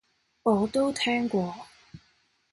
我都聽過